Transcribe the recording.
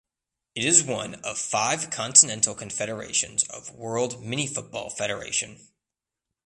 It is one of five continental confederations of World Minifootball Federation.